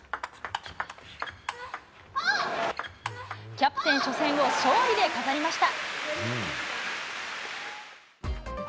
キャプテン初戦を勝利で飾りました。